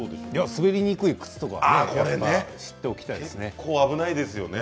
滑りにくい靴とか知っておきたいですね。